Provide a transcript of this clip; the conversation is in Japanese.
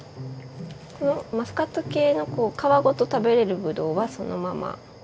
このマスカット系の皮ごと食べれるぶどうはそのまま。